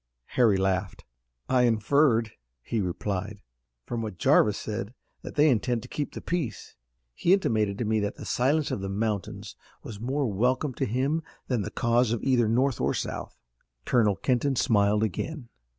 Harry laughed. "I inferred," he replied, "from what Jarvis said that they intend to keep the peace. He intimated to me that the silence of the mountains was more welcome to him than the cause of either North or South." Colonel Kenton smiled again.